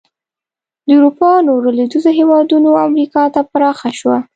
د اروپا نورو لوېدیځو هېوادونو او امریکا ته پراخه شوه.